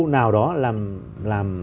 nào đó làm